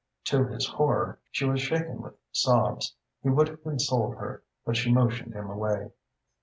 To his horror she was shaken with sobs. He would have consoled her, but she motioned him away.